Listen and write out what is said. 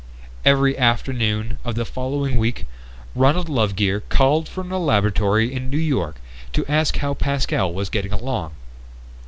Every afternoon of the following week Ronald Lovegear called from the laboratory in New York to ask how Pascal was getting along.